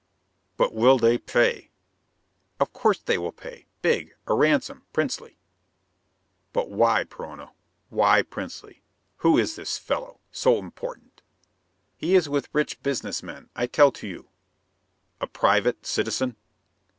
"But will they pay?" "Of course they will pay. Big. A ransom princely." "And why, Perona? Why princely? Who is this fellow so important?" "He is with rich business men, I tell to you." "A private citizen?"